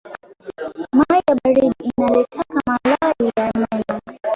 Mayi ya baridi inaletaka malalli ya meno